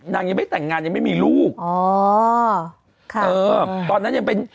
ยังไม่แต่งงานยังไม่มีลูกอ๋อค่ะเออตอนนั้นยังเป็น